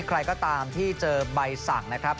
ใครก็ตามที่เจอใบสั่งนะครับ